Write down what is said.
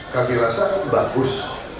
kami rasa bagus